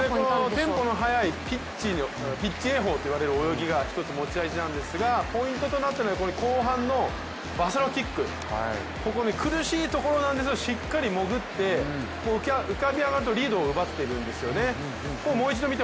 テンポの速いピッチ泳法という泳ぎが一つ持ち味なんですがポイントになっているのが後半のバサロキック、苦しいところなんですけどしっかり潜って、浮かび上がるとリードを奪っているんですよね。